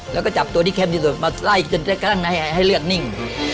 แล้วก็จับตัวที่เข้มที่สุดมาไล่จนใกล้ให้เลือดนิ่ง